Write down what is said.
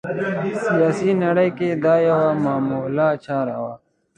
سیاسي نړۍ کې دا یوه معموله چاره ده